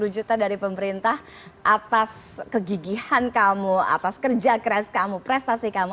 satu ratus lima puluh enam ratus lima puluh juta dari pemerintah atas kegigihan kamu atas kerja keras kamu prestasi kamu